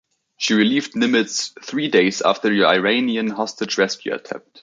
She relieved "Nimitz" three days after the Iranian hostage rescue attempt.